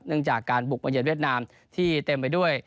จากการบุกมาเย็นเวียดนามที่เต็มไปด้วย